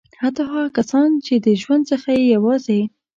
حتی هغه کسان چې د ژوند څخه یې یوازې.